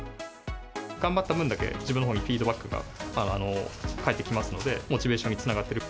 頑張った分だけ、自分のほうにフィードバックが返ってきますので、モチベーションにつながってる。